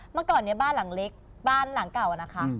เมื่อก่อนเนี่ยบ้านหลังเล็กบ้านหลังเก่านะคะ